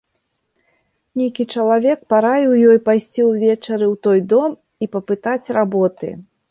Нейкі чалавек параіў ёй пайсці ўвечары ў той дом і папытаць работы.